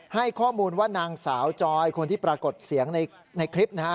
ให้ข้อมูลว่านางสาวจอยคนที่ปรากฏเสียงในคลิปนะฮะ